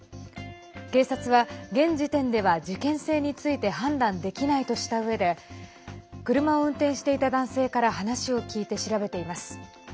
警察は、現時点では事件性について判断できないとしたうえで車を運転していた男性から話を聞いて調べています。